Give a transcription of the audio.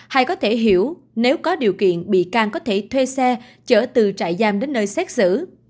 hay có thể hiểu nếu có điều kiện bị can có thể thuê xe chở từ trại giam đến nơi xét xử